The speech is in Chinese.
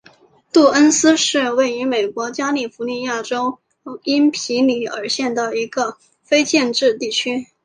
杜恩斯是位于美国加利福尼亚州因皮里尔县的一个非建制地区。